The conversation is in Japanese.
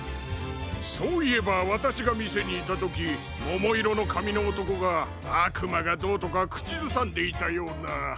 そういえばわたしがみせにいたときももいろのかみのおとこがあくまがどうとかくちずさんでいたような。